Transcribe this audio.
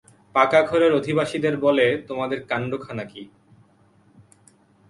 পাকা ঘরের অধিবাসীদের বলে, তোমাদের কান্ডখানা কী!